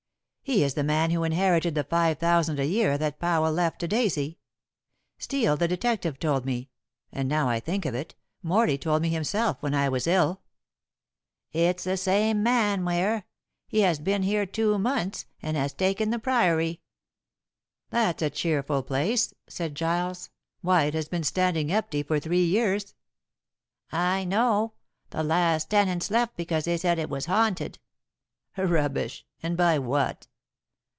"He is the man who inherited the five thousand a year that Powell left to Daisy. Steel, the detective, told me, and, now I think of it, Morley told me himself when I was ill." "It's the same man, Ware. He has been here two months, and has taken the Priory." "That's a cheerful place," said Giles. "Why, it has been standing empty for three years." "I know. The last tenants left because they said it was haunted." "Rubbish! And by what?"